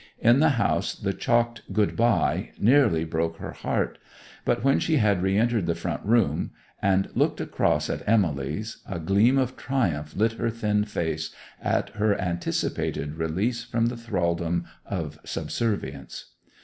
In the house the chalked 'Good bye' nearly broke her heart. But when she had re entered the front room, and looked across at Emily's, a gleam of triumph lit her thin face at her anticipated release from the thraldom of subservience.